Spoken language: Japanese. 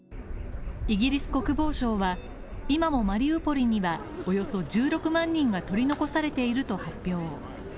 イギリス国防省は、今もマリウポリにはおよそ１６万人が取り残されていると発表。